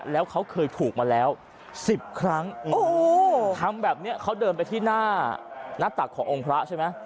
แล้วเขาเคยถูกมาแล้ว๑๐ครั้งทำแบบนี้เขาเดินไปที่หน้าตักขององค์พระใช่ไหม